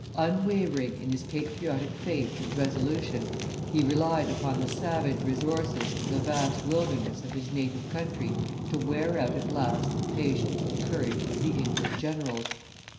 Unwavering in his patriotic faith and resolution, he relied upon the savage resources and the vast wildernesses of his native country to wear out at last the patience and courage of the English generals.